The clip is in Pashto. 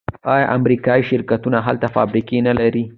آیا امریکایی شرکتونه هلته فابریکې نلري؟